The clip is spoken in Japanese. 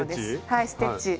はいステッチ。